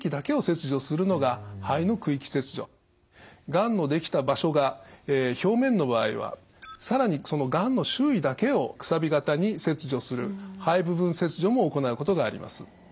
がんのできた場所が表面の場合は更にそのがんの周囲だけを楔形に切除する肺部分切除も行うことがあります。